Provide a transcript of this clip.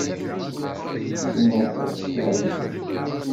Tessneḍ ad teskerkseḍ.